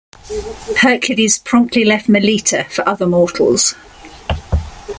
Hercules promptly left Melite for other mortals.